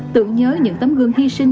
tưởng nhớ những tấm gương hy sinh